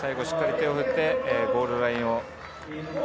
しっかり手を振ってゴールラインを。